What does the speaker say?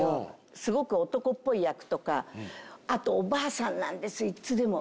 スゴく男っぽい役とかあとおばあさんなんですいつでも。